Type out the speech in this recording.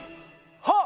はっ！